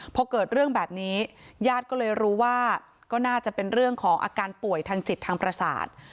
พอเกิดเรื่องแบบนี้ญาติก็เลยรู้ว่าก็น่าจะเป็นเรื่องของอาการป่วยทางจิตทางประสาท